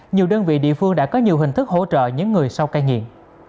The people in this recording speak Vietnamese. nhiều đơn vị địa phương đã có nhiều hình thức hỗ trợ những người sau cai nghiện